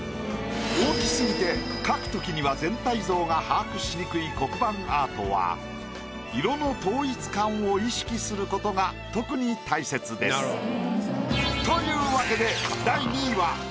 大き過ぎて描くときには全体像が把握しにくい黒板アートは色の統一感を意識することが特に大切です。というわけで。